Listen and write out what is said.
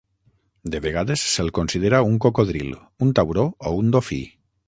De vegades se'l considera un cocodril, un tauró o un dofí.